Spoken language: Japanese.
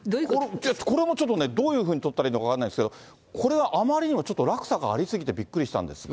これもちょっとね、どういうふうにとったらいいのか分からないですけど、これはあまりにもちょっと落差があり過ぎて、びっくりしたんですが。